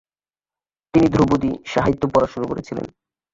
তিনি ধ্রুপদী সাহিত্য পড়া শুরু করেছিলেন।